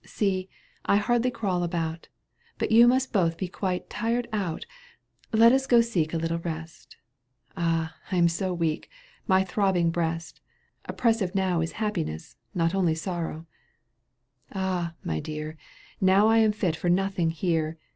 See, I can hardly crawl about — But you must both be quite tired out ! Let us go seek a little rest — Ah ! I'm so weak — my throbbing breast I Oppressive now is happiness, Not only sorrow — Ah I my dear, Now I am fit for nothing here.